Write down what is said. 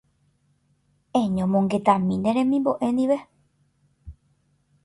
Eñomongetami ne remimbo'e ndive.